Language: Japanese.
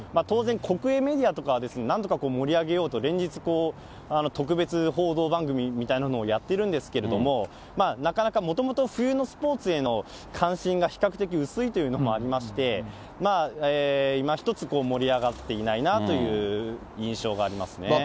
当然、国営メディアとかはなんとか盛り上げようと連日、特別報道番組みたいなのをやってるんですけれども、なかなか、もともと冬のスポーツへの関心が比較的薄いというのもありまして、今一つ盛り上がっていないなという印象がありますね。